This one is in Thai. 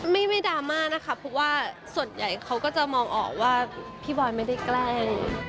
ไม่ดราม่านะคะเพราะว่าส่วนใหญ่เขาก็จะมองออกว่าพี่บอยไม่ได้แกล้ง